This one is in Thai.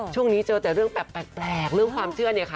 ช่วงนี้เจอแต่เรื่องแปลกเรื่องความเชื่อเนี่ยค่ะ